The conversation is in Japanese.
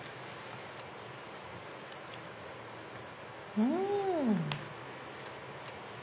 うん！